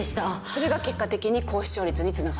それが結果的に高視聴率につながって。